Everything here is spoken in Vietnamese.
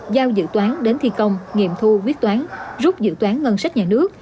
giao dự toán đến thi công nghiệm thu quyết toán rút dự toán ngân sách nhà nước